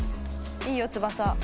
いいよ翼。